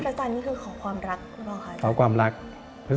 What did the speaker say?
ว่ายพระจันทร์นี่คือขอความรักหรอคะ